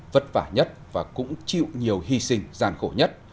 vất vả nhất và cũng chịu nhiều hy sinh gian khổ nhất